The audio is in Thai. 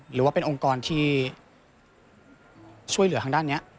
หรือว่าเป็นองค์กรที่ช่วยเหลือทางด้านนี้